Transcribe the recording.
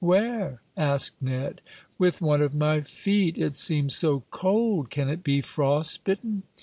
Where?" asked Ned. "With one of my feet. It seems so cold. Can it be frost bitten?"